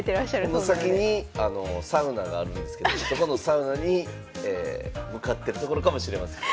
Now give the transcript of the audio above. この先にサウナがあるんですけどそこのサウナに向かってるところかもしれません。